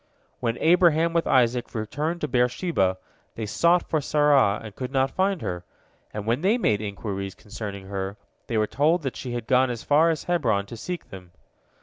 When Abraham with Isaac returned to Beer sheba, they sought for Sarah and could not find her, and when they made inquiries concerning her, they were told that she had gone as far as Hebron to seek them.